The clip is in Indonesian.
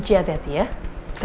saya pamit dulu ya